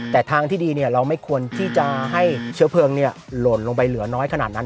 แต่ทางที่ดีเราไม่ควรที่จะให้เชื้อเพลิงหล่นลงไปเหลือน้อยขนาดนั้น